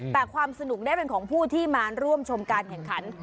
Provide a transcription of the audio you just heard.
แต่ความสนุกได้เป็นของผู้ที่มาร่วมชมการแข่งขัน